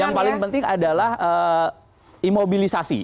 yang paling penting adalah imobilisasi